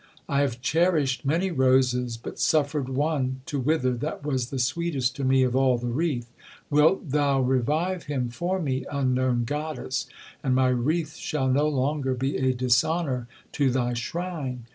I have cherished many roses, but suffered one to wither that was the sweetest to me of all the wreath. Wilt thou revive him for me, unknown goddess, and my wreath shall no longer be a dishonour to thy shrine?'